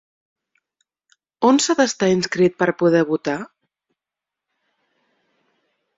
On s'ha d'estar inscrit per poder votar?